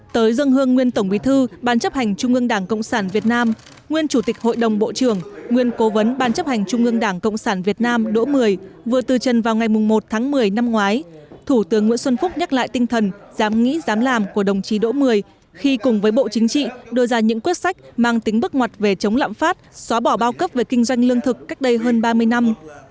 tới dân hương nguyên tổng bí thư ban chấp hành trung ương đảng cộng sản việt nam nguyên chủ tịch hội đồng bộ trưởng nguyên cố vấn ban chấp hành trung ương đảng cộng sản việt nam đỗ mười vừa từ chân vào ngày một tháng một mươi năm ngoái thủ tướng nguyễn xuân phúc nhắc lại tinh thần dám nghĩ dám làm của đồng chí đỗ mười khi cùng với bộ chính trị đưa ra những quyết sách mang tính bức ngoặt về chống lạm phát xóa bỏ bao cấp về kinh doanh lương thực cách đây hơn ba mươi năm